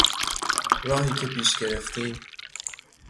راهی که پیش گرفتیم